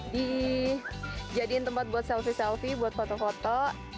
dijadikan tempat buat selfie selfie buat foto foto